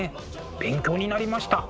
勉強になりました。